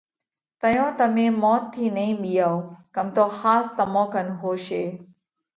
تئيون تمي موت ٿِي نئين ٻِيئائو ڪم تو ۿاس تمون ڪنَ هوشي۔